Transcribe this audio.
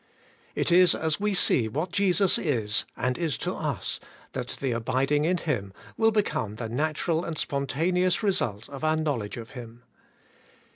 It is as we see what Jesus is, and is to us, that the abiding in Him will become the natural and sponta neous result of our knowledge of Him.